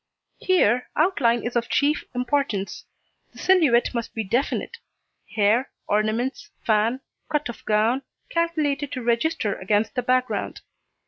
Here, outline is of chief importance, the silhouette must be definite; hair, ornaments, fan, cut of gown, calculated to register against the background.